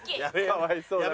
かわいそうだな。